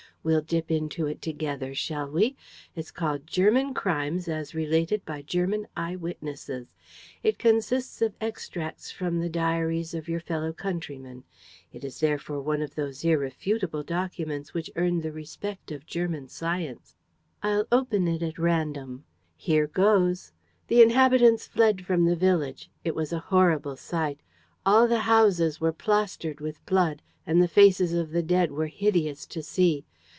We'll dip into it together, shall we? It's called German Crimes as Related by German Eye witnesses. It consists of extracts from the diaries of your fellow countrymen. It is therefore one of those irrefutable documents which earn the respect of German science. I'll open it at random. Here goes. 'The inhabitants fled from the village. It was a horrible sight. All the houses were plastered with blood; and the faces of the dead were hideous to see.